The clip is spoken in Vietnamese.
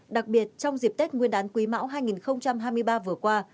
đặc biệt trong dịp tết nguyên đán quý mão hai nghìn hai mươi ba vừa qua